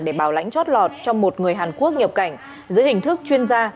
để bảo lãnh chót lọt cho một người hàn quốc nhập cảnh dưới hình thức chuyên gia